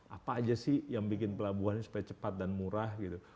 apa aja sih yang bikin pelabuhan ini supaya cepat dan murah gitu